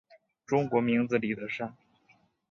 中国名字李德山。